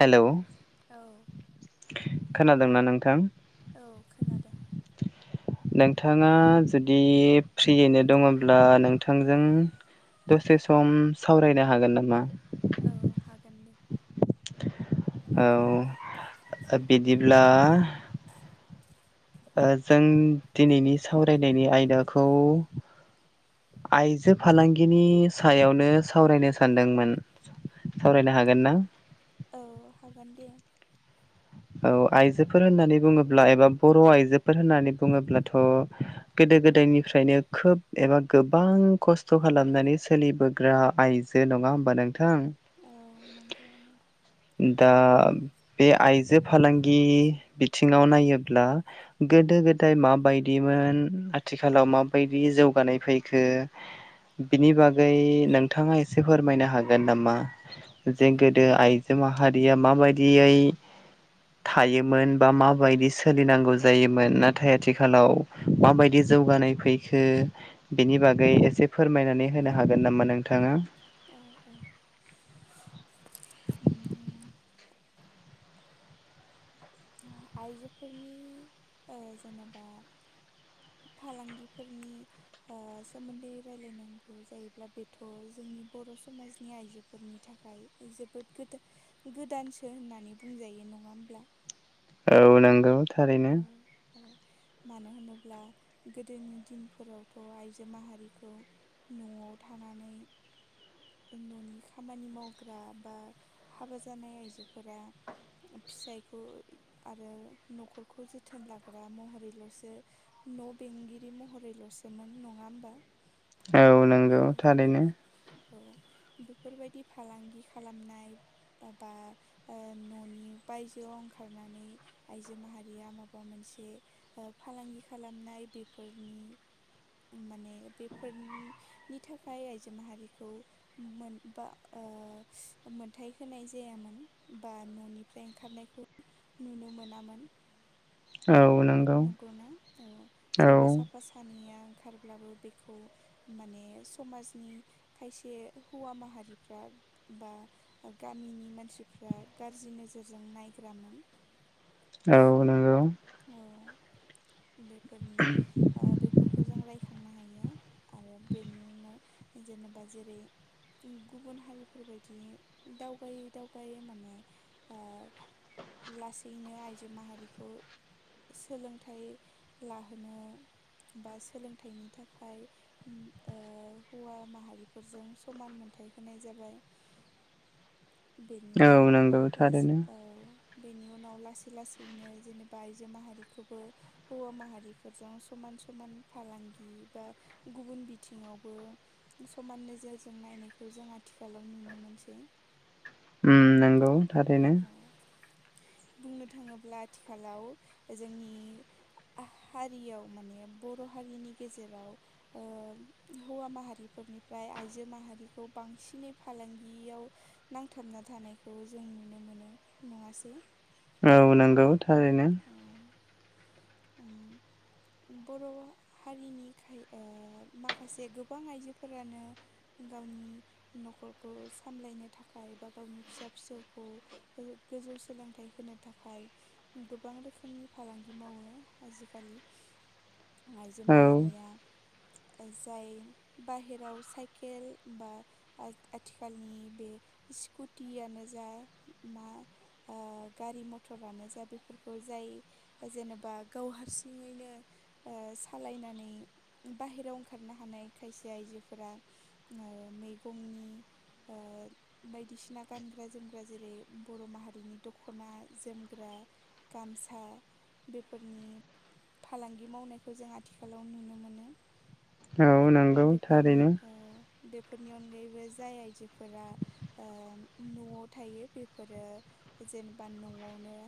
हेल' औ खोनादोंना नोंथां? औ खोनादो। [inaudible] नोंथाङा जुदि फ्रियैनो दङब्ला नोंथांजों दसे सम सावरायनो हागोन नामा? औ हागोन दे। औ बिदिब्ला ओ जों दिनैनि सावरायनायनि आयदाखौ आइजो फालांगिनि सायावनो सावरायनो सानदोंमोन। सावरायनो हागोन ना? औ हागोन दे। औ आइजोफोर होननानै बुङोब्ला एबा बर' आइजोफोर होननानै बुङोब्लाथ' गोदो गोदायनिफ्रायनो खोब एबा गोबां खस्थ' खालामनानै सोलिबो ग्रा आयजो नङा होमबा नोंथां? औ नंगौ नंगौ। दा बे आइजो फालांगि बिथिङाव नायोब्ला गोदो गोदाय माबायदिमोन आथिखालाव माबायदि जौगानाय फैखो बिनि बागै नोंथाङा एसे फोरमायनो नामा? औ जे गोदो आइजो माहारिया माबायदियै थायोमोन बा माबायदि सोलिनांगौ जायोमोन, नाथाय आथिखालाव माबायदि जौगानाय फै खो बिनि बागै एसे फोरमायनानै होनो हागोन नामा नोंथाङा? औ औ उम आइजोफोरनि ओ जेनेबा फालांगिफोरनि ओ सोमोन्दै रायलायनांगौ जायोब्ला बेथ' जोंनि बर' समाजनि आइजोफोरनि थाखाय जोबोद गोदा-गोदानसो होननानै बुंजायो नङा होमब्ला? औ नंगौ थारैनो। औ औ। मानो होनोब्ला गोदोनि दिनफोरावथ' आइजो माहारिखौ न'आव थानानै न'नि खामानि मावग्रा बा हाबा जानाय आइजोफोरा फिसायखौ आरो न'खरखौ जोथोन लाग्रा महरैल'सो न' बेंगिरि महरैल'सोमोन नङा होमबा? औ नंगौ। थारैनो औ बेफोरबायदि फालांगि खालामनाय बा ओ न'नि बायजोआव ओंखारनानै आइजो माहारिया माबा बा मोनसे ओ फालांगि खालामनाय बेफोरनि माने बेफोरनिनि थाखाय आइजो माहारिखौ मोन बा ओ मोनथाय जायामोन बा न'नि फ्राय ओंखारनायखौ नुनो मोनामोन। औ नों नंगौना? औ सोरबा साफा सानैया ओंखारब्लाबो बेखौ माने समाजनि खायसे हौवा माहारिफ्रा बा गामिनि मानसिफ्रा गाज्रि नोजोरजों नायग्रामोन। औ नंगौ। औ बेफोरनि आ बेफोरखौ जों राय खांनो हायो आरो बेनि उनाव जेनेबा जेरै ओम गुबुन हारिफोरबायदियै दावगायै दावगायै माने ओ लासैनो आइजो माहारिखौ सोलोंथाइ लाहोनो बा सोलोंथाइनि थाखाय ओम ओ हौवा माहारिफोरजों समान मोनथाय होनाय जाबाय। [inaudible] बेनि औ उनाव नंगौ लासै थारैनो औ बेनि उनाव लासै लासैनो जेने दा आइजो माहारिखौबो हौवा माहारिफोरजों समान समान फालांगि बा गुबुन बिथिङावबो समान नोजोरजों नायनायखौ जों आथिखालाव नुनो मोनसै। उम नंगौ थारैनो औ बुंनो थाङोब्ला आथिखालाव जोंनि हारियाव माने बर' हारिनि गेजेराव ओ हौवा माहारिफोरनिफ्राय आइजो माहारिखौ बांसिनै फालांगियाव नांथाबना थानायखौ जों नुनो मोनो नङासै औ नंगौ थारैनो औ उम [inaudible] बर' हारिनि खाय ओ माखासे गोबां आइजोफोरानो गावनि न'खरखौ सामलायनो थाखाय बा गावनि फिसा फिसौखौ गोजौ सोलोंथाइ होनो थाखाय गोबां रोखोमनि फालांगि मावो आजिखालि आइजो औ माहारिया जाय बाहेराव साइकेल बा आथिखालनि बे स्कुटियानो जा मा ओ गारि मथ'रानो जा बेफोरखौ जाय जेनेबा गाव हारसिङैनो ओ सालायनानै बाहेरायाव ओंखारनो हानाय खायसे आइजोफोरा ओ मैगंनि ओ बायदिसिना गानग्रा जोमग्रा जेरै बर' माहारिनि दख'ना जोमग्रा गामसा फोरनि फालांगि मावनायखौ जों आथिखालाव नुनो मोनो। औ नंगौ बेफोरनि थारैनो औ बेफोरनि अनगायैबो जाय आइजोफोरा ओ न'आव थायो बेफोरो जेनेबा न'आवनो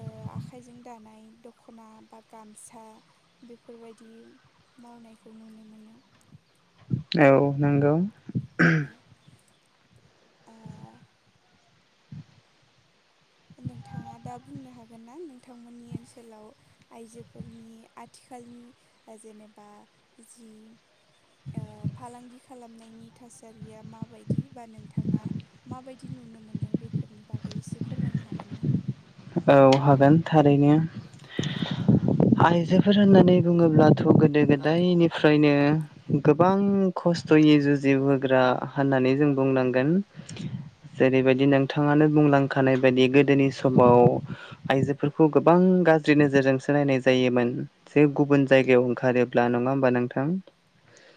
ओ आखाइजों दानाय दख'ना बा गामसा बेफोरबायदि मावनायखौ नुनो मोनो। औ नंगौ औ आ नोंथाङा दा बुंनो हागोन ना नोंथांमोननि ओनसोलाव आइजोफोरनि आथिखालनि ओ जेनेबा जि ओ फालांगि खालामनायनि थासारिया माबायदि बा नोंथाङा माबायदि नुनो मोनदों बेफोरनि बागै एसे फोरमायनो हागोन ना? औ हागोन थारैनो आइजोफोर होननानै बुङोब्लाथ' गोदो गोदायनिफ्रायनो गोबां खस्थ'यै जुजि बोग्रा होननानै जों बुंनांगोन। जेरैबायदि नोंथाङानो बुंलांखानाय बायदि गोदोनि समाव आयजोफोरखौ गोबां गाज्रि नोजोरजोंसो नायनाय जायोमोन। जे गुबुन जायगायाव ओंखारोब्ला नङा होमबा नोंथां।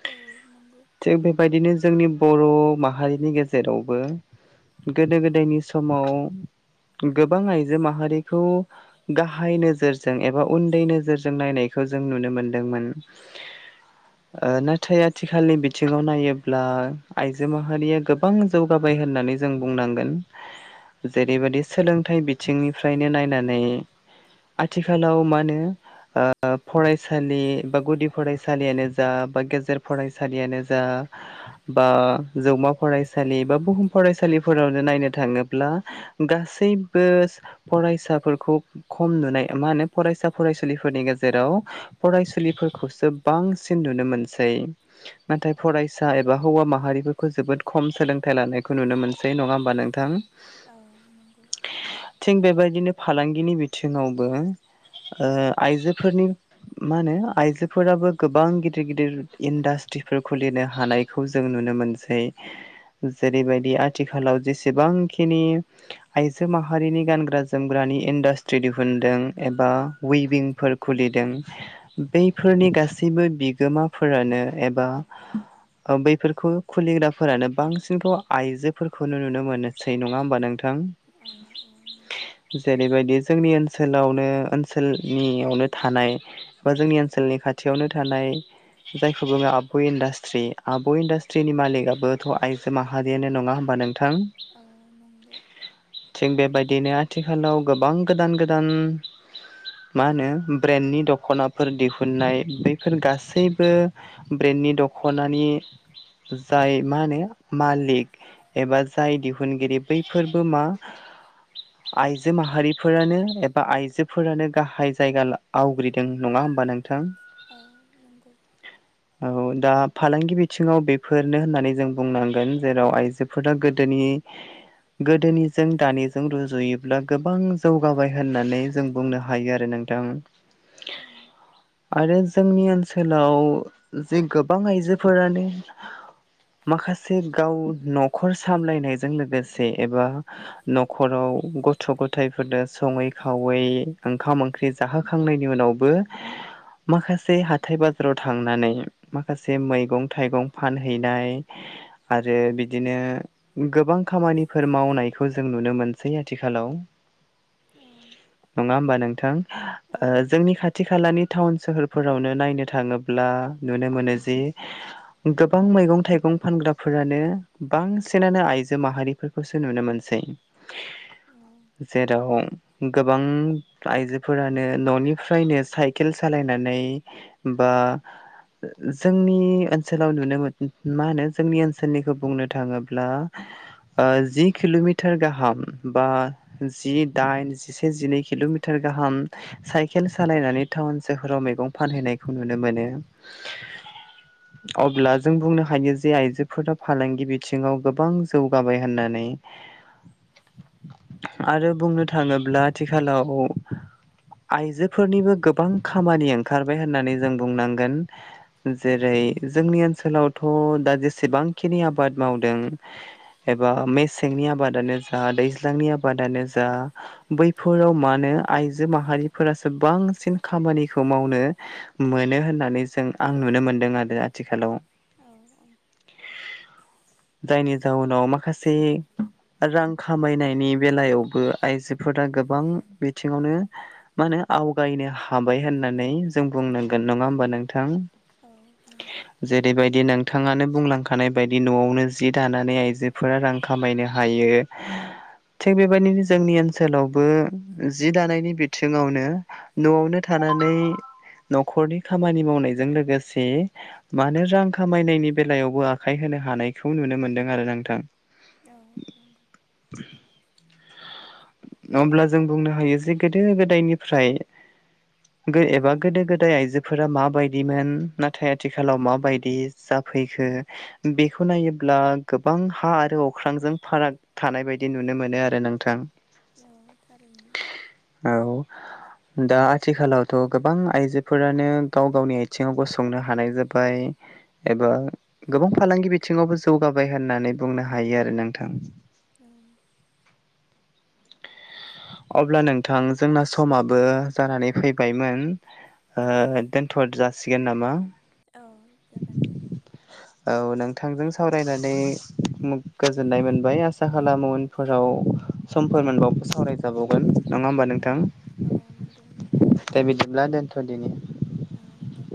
औ नंगौ थिग बेबायदिनो जोंनि बर' माहारिनि गेजेरावबो गोदो गोदायनि समाव गोबां आइजो माहारिखौ गाहाय नोजोरजों एबा उन्दै नोजोरजों नायनायखौ जों नुनो मोनदोंमोन। ओ नाथाय आथिखालनि बिथिङाव नायोब्ला आइजो माहारिया गोबां जौगाबाय होननै जों बुंनांगोन जेरैबायदि सोलोंथाय बि थिंनिफ्रायनो नायनानै आथिखालाव मानो ओ फरायसालि बा गुदि फरायसालियानो जा बा गेजेर फरायसालियानो जा बा जौमा फरायसालि बा बुहुम फरायसालिफोरावनो नायनो थाङोब्ला गासैबो फरायसाफोरखौ खम नुनाय मा होनो फरायसा फरायसुलिफोरनि गेजेराव फरायसुलिफोरखौसो बांसिन नुनो मोनसै। नाथाय फरायसा एबा हौवा माहारिफोरखौ जोबोद खम सोलोंथाइ लानायखौ नुनो मोनसै नङा होमबा नोंथां? औ नंगौ। थिग बेबायदिनो फालांगिनि बिथिङावबो ओ आइजोफोरनि मा होनो आइजोफोराबो गोबां गिदिर गिदिर इन्डास्ट्रिफोर खुलिनो हानाय खौ जों नुनो मोनसै। जेरैबायदि आथिखालाव जेसेबांखिनि आइजो माहारिनि गानग्रा जोमग्रानि इन्डास्ट्रि दिहुनदों एबा ऊइभिंफोर खुलिदों बैफोरनि गासैबो बिगोमाफोरानो एबा बैफोरखौ खुलिग्राफोरानो बांसिनखौ आइजोफोरखौनो नुनो मोनसै नङा होमबा नोंथां? औ औ नंखौ। जेरैबायदि जोंनि ओनसोलावनो ओनसोलनियावनो थानाय बा जोंनि ओनसोलनि खाथियावनो थानाय जायखौ बुङो आब' इन्डासट्रि आब' इन्डासट्रिनि मालिकआथ' आइजो माहा हारियानो नङा होमबा नोंथां? औ नं थिग बेबायदिनो आथिखालाव गोबां गोदान गोदान मा होनो ब्रेन्डनि दख'नाफोर दिहुननाय बैफोर गासैबो ब्रेन्डनि दख'नानि जाय मा होनो मालिक एबा जाय दिहुनगिरि बैफोरबो मा आइजो माहारिफोरानो एबा आइजोफोरानो गाहाय जायगा आवग्रिदों। नङा होमबा नोंथां? औ नंगौ। [unintelligible] औ दा फालांगि बिथिङाव बेफोरनो होननानै जों बुंनांगोन जेराव आइजोफोरा गोदोनि गोदोनिजों दानिजों जों रुजुयोब्ला गोबां जौगाबाय होननानै जों बुंनो हायो आरो नोंथां। औ। आरो जोंनि ओनसोलाव जे गोबां आइजोफोरानो माखासे गाव नखर सामलायनायजों लोगोसे एबा न खराव गथ' गथायाइफोरनो सङै खावै ओंख्रि जाहोखांनायनि उनावबो [unintelligible] माखासे हाथाय बाजाराव थांनानै माखासे मैगं थाइगं फानहैनाय आरो बिदिनो गोबां खामानिफोर मावनायखौ जों नुनो मोनसै आथिखालाव। औ नङा होमबा नोंथां? औ ओ जोंनि खाथि खाथि खालानि टाउन सोहोरफोरावनो नायनो थाङोब्ला नुनो मोनो जि गोबां मैगं थाइगं फानग्राफोरानो बांसिनानो आइजो माहारि फोरखौसो नुनो मोनसै जेराव गोबां आइजोफोरानो न'निफ्रायनो साइकेल सालायनानै बा जोंनि ओनसोलाव नुनो मोन मा होनो जोंनि ओनसोलनिखौ बुंनो थाङोब्ला ओ जि किल'मिटार गाहाम हाम बा जि दाइन जिसे जिनै किल'मिटार गाहाम साइकेल सालायनानै टाउन सोहोराव मैगं फानहैनायखौ नुनो मोनो [inaudible] अब्ला जों बुंनो हायो जे आइजोफोरा फालांगि बिथिङाव गोबां जौगाबाय होननानै आरो बुंनो थाङोब्ला आथिखालाव आइजोफोरनिबो गोबां खामानि ओंखारबाय होननानै जों बुंनांगोन जेरै जोंनि ओनसोलावथ' दा जेसेबांखिनि आबाद मावदों एबा मेसेंनि आबादानो जा दैज्लांनि आबादानो जा बैफोराव मानो आइजो माहारिफोरासो बांसिन खामानिखौ मावनो मोनो होननानै जों आं नुनो मोनदों आरो आथिखालाव औ औ जायनि जाउनाव माखासे रां खामायनायनि बेलायावबो आइजोफोरा गोबां बिथिङावनो मा होनो आवगायनो हाबाय होननानै जों बुंनांगोन नङा होमबा नोंथां औ नंगौ जेरैबादि नोंथाङानो बुंलांखानाय बायदि न'आवनो जि दानानै आइजोफोरा रां खामायनो हायो थिग बेबायदिनो जोंनि ओनसोलावबो जि दानायनि बिथिङावनो न'आवनो थानानै न'खरनि खामानि मावनायजों लोगोसे मानो रां खामायनायनि बेलायावबो आखाइ होनो हानायखौ नुनो मोन्दों आरो नोंथां औ नं [inaudible] अब्ला जों बुंनो हायो जे गोदो गोदायनिफ्राय गो एबा गोदो गोदाय आइजोफोरा माबायदिमोन नाथाय आथिखालाव माबायदि जाफैखो बेखौ नायोब्ला गोबां हा आरो अख्रांजों फाराग थानाय बायदि नुनो मोनो आरो नोंथां औ थारैनो औ दा आथिखालावथ' गोबां आइजोफोरानो गाव गावनि आयथिंआव गसंनो हानाय जाबाय एबा गोबां फालांगि बिथिङावबो जौगाबाय होननानै बुंनो हायो आरो नोंथां औ अब्ला नोंथां जोंना समाबो जानानै फैबायमोन ओ दोनथद जासिगोन नामा औ जागोन दे औ नोंथांजों सावरायनानै गोजोननाय मोनबाय आस सा खालामो उनफोराव समफोर मोनबावबा सावराय जाबावगोन नङा होमबा औ नोंथां औ नंगौ नंगौ दे बिदिब्ला दोनथ'दिनि औ दे